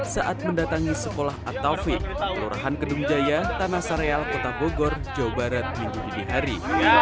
saat mendatangi sekolah attavi kelurahan kedung jaya tanah sareal kota bogor jawa barat minggu dinihari